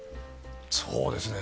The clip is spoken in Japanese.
そうですね。